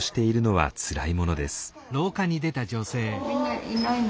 はい。